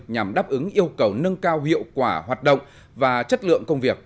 nhằm đáp ứng yêu cầu nâng cao hiệu quả hoạt động và chất lượng công việc